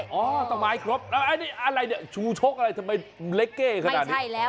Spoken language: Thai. อ๋อต้องมายครบอะไรเนี่ยชูชกอะไรทำไมเล็กเก้ขนาดนี้